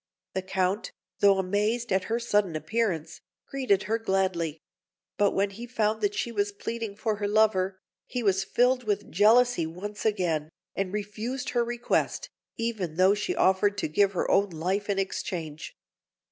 The Count, though amazed at her sudden appearance, greeted her gladly; but when he found that she was pleading for her lover, he was filled with jealousy once again, and refused her request, even though she offered to give her own life in exchange.